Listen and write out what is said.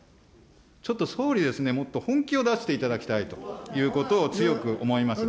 ちょっと総理ですね、もっと本気を出していただきたいということを強く思います。